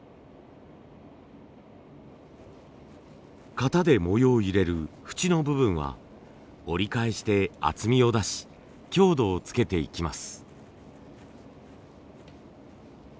型で模様を入れる縁の部分は折り返して厚みを出し強度をつけていきます。